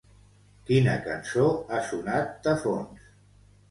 Quina cançó ha sonat de fons?